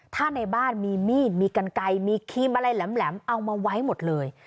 ถ้าในบ้านมีมีดมีกันไกลมีครีมอะไรแหลมเอามาไว้หมดเลย